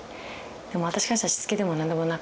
でも私からしたらしつけでも何でもなくて。